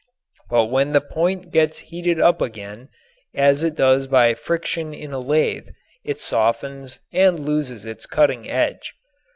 But when the point gets heated up again, as it does by friction in a lathe, it softens and loses its cutting edge.